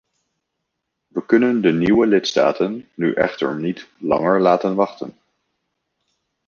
We kunnen de nieuwe lidstaten nu echter niet langer laten wachten.